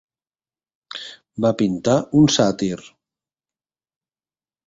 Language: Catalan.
Va pintar un sàtir.